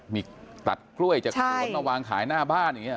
มีตัดกล้วยจากสวนมาวางขายหน้าบ้านอย่างนี้